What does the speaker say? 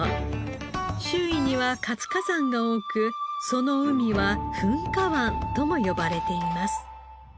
周囲には活火山が多くその海は「噴火湾」とも呼ばれています。